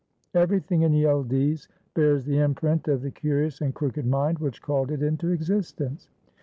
Everything in Yildiz bears the imprint of the curious and crooked mind which called it into existence.